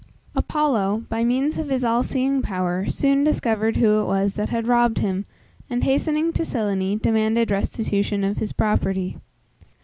Apollo, by means of his all seeing power, soon discovered who it was that had robbed him, and hastening to Cyllene, demanded restitution of his property.